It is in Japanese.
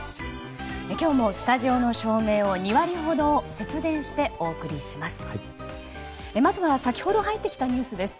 今日もスタジオの照明を２割ほど節電してお送りします。